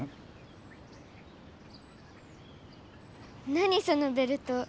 なにそのベルト。